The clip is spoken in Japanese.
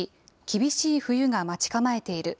厳しい冬が待ち構えている。